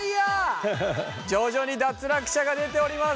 徐々に脱落者が出ております。